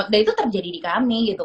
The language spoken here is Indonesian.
dan itu terjadi di kami gitu